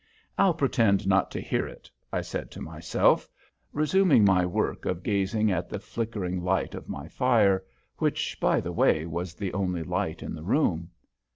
"I'll pretend not to hear it," I said to myself, resuming my work of gazing at the flickering light of my fire which, by the way, was the only light in the room.